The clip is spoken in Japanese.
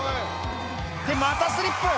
ってまたスリップ！